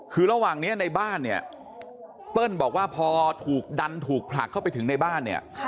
คือระหว่างนี้ในบ้านเนี่ยเปิ้ลบอกว่าพอถูกดันถูกผลักเข้าไปถึงในบ้านเนี่ย